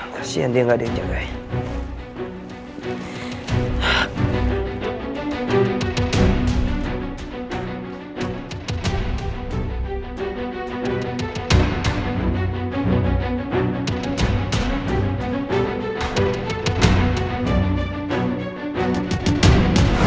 kasian dia gak ada yang jagain